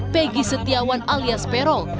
pegi setiawan alias peron